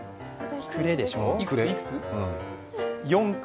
くれでしょう。